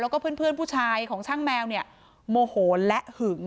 แล้วก็เพื่อนผู้ชายของช่างแมวเนี่ยโมโหและหึง